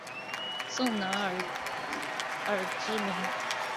宋能尔而知名。